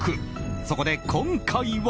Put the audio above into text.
そこで今回は。